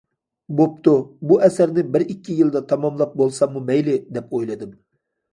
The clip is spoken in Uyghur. بوپتۇ، بۇ ئەسەرنى بىر ئىككى يىلدا تاماملاپ بولساممۇ مەيلى دەپ ئويلىدىم.